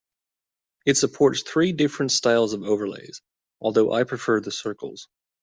It supports three different styles of overlays, although I prefer the circles.